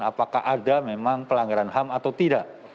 apakah ada memang pelanggaran ham atau tidak